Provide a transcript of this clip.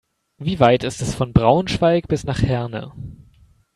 Wie weit ist es von Braunschweig bis nach Herne?